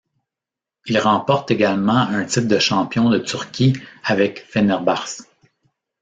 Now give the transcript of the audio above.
Il remporte également un titre de champion de Turquie avec Fenerbahçe.